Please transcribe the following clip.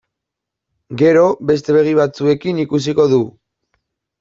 Gero beste begi batzuekin ikusiko du.